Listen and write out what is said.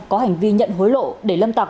có hành vi nhận hối lộ để lâm tạc